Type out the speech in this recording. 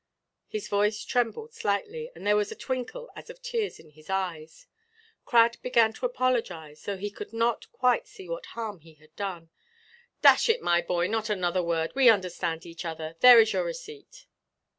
His voice trembled slightly, and there was a twinkle as of tears in his eyes. Crad began to apologize, though he could not quite see what harm he had done. "Dash it, my boy, not another word. We understand each other. There is your receipt."